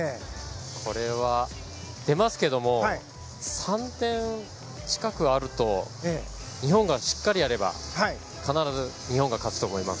これは出ますけども３点近くあると日本がしっかりやれば必ず日本が勝つと思います。